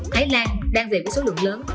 thái lan đang về với số lượng lớn